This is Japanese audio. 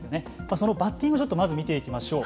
そのバッティングをちょっとまず見ていきましょう。